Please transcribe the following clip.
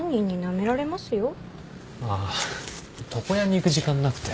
ああ床屋に行く時間なくて。